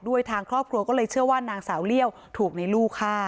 ทางครอบครัวก็เลยเชื่อว่านางสาวเลี่ยวถูกในลูกฆ่า